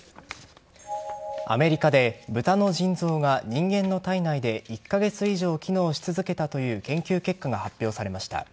アメリカで豚の腎臓が人間の体内で１カ月以上機能し続けたという研究結果が発表されました。